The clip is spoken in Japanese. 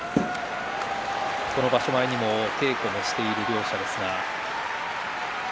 場所前にも稽古をしている両者ですが。